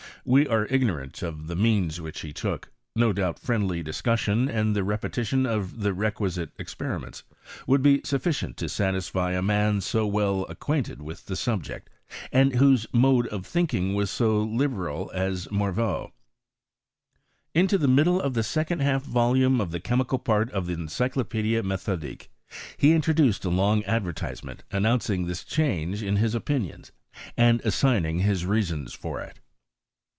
We are ignorant of the means which he took ; no doubt friendly discus sion and the repetition of the requisite experiments, would be sufficient to satisfy a man so well ac* quainted with the subject, and whose mode of thinking was so liberal as Morveau. Into the middle of the second half volume of the chemical part of the Encyclopedic Methodique he introduced a long advertisement, announcing this change in his opinions, and assigning his reasons for it.